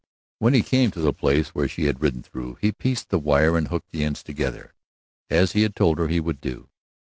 When he came to the place where she had ridden through, he pieced the wire and hooked the ends together, as he had told her he would do.